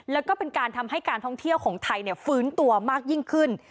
แล้วก็เป็นการทำให้การท่องเที่ยวของไทยฟื้นตัวมากยิ่งขึ้น